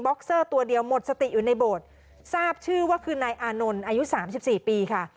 เซอร์ตัวเดียวหมดสติอยู่ในโบสถ์ทราบชื่อว่าคือนายอานนท์อายุสามสิบสี่ปีค่ะ